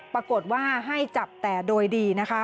ปรากฏว่าให้จับแต่โดยดีนะคะ